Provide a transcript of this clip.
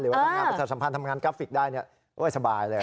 หรือว่าแบบประชาสัมพันธ์ทำงานกราฟิกได้เพื่อยังสบายเลย